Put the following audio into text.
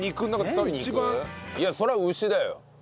いやそれは牛だよ。